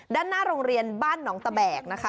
ด้านหน้าโรงเรียนบ้านหนองตะแบกนะคะ